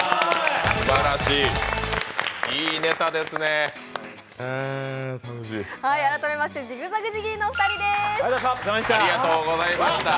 すばらしい、いいネタですね改めまして、ジグザグジギーのお二人です。